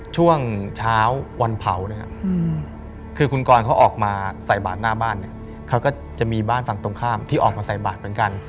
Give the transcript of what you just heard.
ช่วงเช้าวันเผานะครับคือคุณกรเขาออกมาใส่บาทหน้าบ้านเนี่ยเขาก็จะมีบ้านฝั่งตรงข้ามที่ออกมาใส่บาทเหมือนกัน